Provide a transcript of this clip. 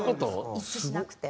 一致しなくて。